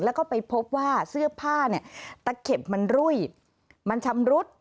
แล้วก็ไปพบว่าเสื้อผ้าเนี่ยตะเข็บมันรุ่ยมันชำรุด